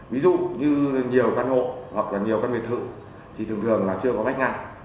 ví dụ như nhiều căn hộ hoặc là nhiều căn biệt thự thì thường thường là chưa có vách ngăn